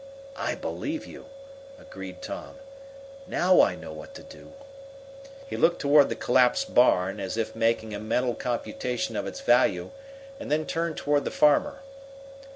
"I believe you!" agreed Tom. "Now I know what to do." He looked toward the collapsed barn, as if making a mental computation of its value, and then turned toward the farmer.